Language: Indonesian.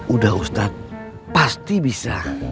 udah ustad pasti bisa